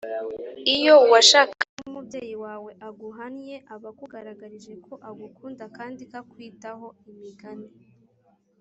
iyo uwashakanye n umubyeyi wawe aguhannye aba akugaragarije ko agukunda kandi ko akwitaho imigani